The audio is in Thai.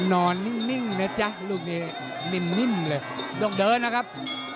นอนนิ่งนะจ๊ะลูกนี้นิ่มเลยต้องเดินนะครับ